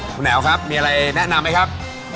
คุณแอ๋วครับมีอะไรแนะนำไหมครับ